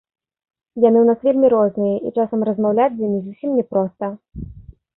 Яны ў нас вельмі розныя, і часам размаўляць з імі зусім не проста.